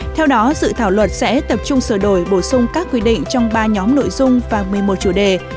theo đó dự thảo luật sẽ tập trung sửa đổi bổ sung các quy định trong ba nhóm nội dung và một mươi một chủ đề